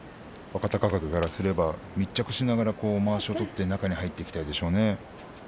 若隆景からすれば密着しながらまわしを取って中に入っていきたいでしょうね。